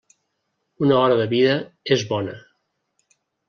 Una hora de vida, és bona.